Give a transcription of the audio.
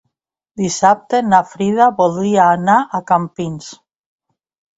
Dissabte na Frida voldria anar a Campins.